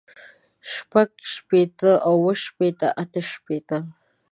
شپږ شپېته اووه شپېته اتۀ شپېته